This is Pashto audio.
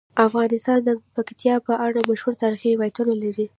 افغانستان د پکتیا په اړه مشهور تاریخی روایتونه لري.